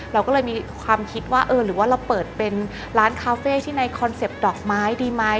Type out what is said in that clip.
เราก็เลยมีความคิดว่าเออหรือว่าเราเปิดเป็นร้านคาเฟ่ที่มีกลัวดอกไม้ดีมั้ย